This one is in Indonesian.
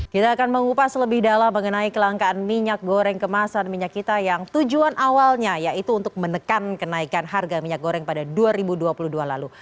kita akan mengupas lebih dalam mengenai kelangkaan minyak goreng kemasan minyak kita yang tujuan awalnya yaitu untuk menekan kenaikan harga minyak goreng pada dua ribu dua puluh dua lalu